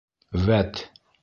Вәт.